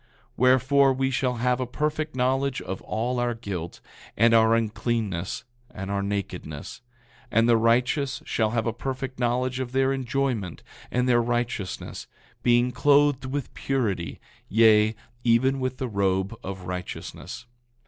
9:14 Wherefore, we shall have a perfect knowledge of all our guilt, and our uncleanness, and our nakedness; and the righteous shall have a perfect knowledge of their enjoyment, and their righteousness, being clothed with purity, yea, even with the robe of righteousness.